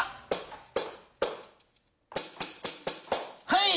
はい。